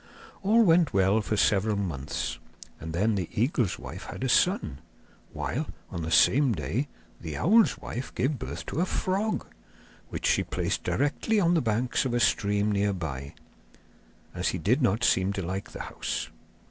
All went well for several months, and then the eagle's wife had a son, while, on the same day, the owl's wife gave birth to a frog, which she placed directly on the banks of a stream near by, as he did not seem to like the house.